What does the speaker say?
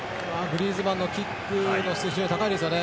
グリーズマンのキックの質が高いですね。